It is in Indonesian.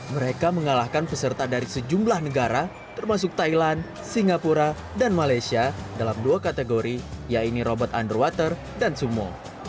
mereka mengalahkan peserta dari sejumlah negara termasuk thailand singapura dan malaysia dalam dua kategori yaitu robot underwater dan sumo